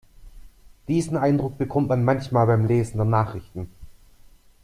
Diesen Eindruck bekommt man manchmal beim Lesen der Nachrichten.